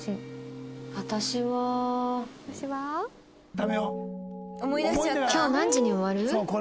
ダメよ！